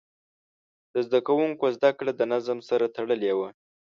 د زده کوونکو زده کړه د نظم سره تړلې وه.